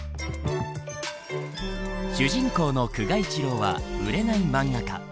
主人公の久我一郎は売れない漫画家。